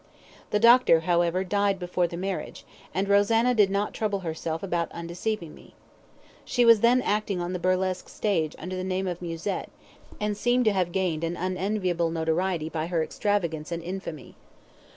The doctor, however, died before the marriage, and Rosanna did not trouble herself about undeceiving me. She was then acting on the burlesque stage under the name of 'Musette,' and seemed to have gained an unenviable notoriety by her extravagance and infamy.